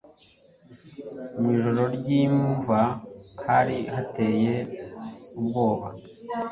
mw'ijoro ry'imva, hari hateye ubwoba